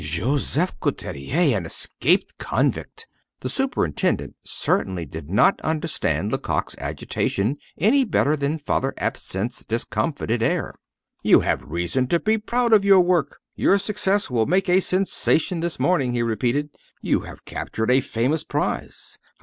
"Joseph Couturier! an escaped convict!" The superintendent certainly did not understand Lecoq's agitation any better than Father Absinthe's discomfited air. "You have reason to be proud of your work; your success will make a sensation this morning," he repeated. "You have captured a famous prize.